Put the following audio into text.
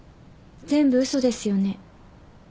全部嘘ですよね？